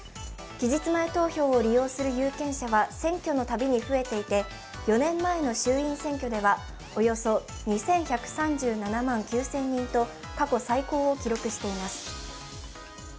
期日前投票を利用する有権者は選挙のたびに増えていて、４年前の衆院選挙ではおよそ２１３７万人と過去最高を記録しています。